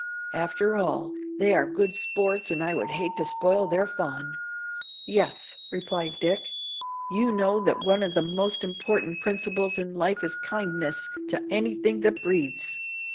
After all, they are good sports and I would hate to spoil their fun." "Yes," replied Dick, "you know that one of the most important principles in life is kindness to anything that breathes.